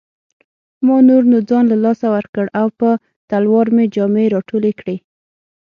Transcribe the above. ما نور نو ځان له لاسه ورکړ او په تلوار مې جامې راټولې کړې.